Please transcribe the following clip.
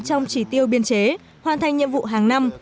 trong chỉ tiêu biên chế hoàn thành nhiệm vụ hàng năm